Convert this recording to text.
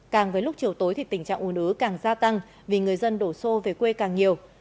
càng với lúc chiều tối thì tình trạng un ứ càng gia tăng vì người dân đổ xô về quê càng nhiều